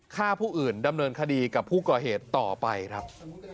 ฆ่าผู้อื่นดำเนินคดีกับผู้ก่อเหตุต่อไปครับ